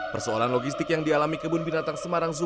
persoalan logistik yang dialami kebun binatang semarang